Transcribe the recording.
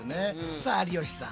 さあ有吉さん